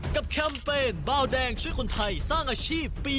แคมเปญเบาแดงช่วยคนไทยสร้างอาชีพปี๒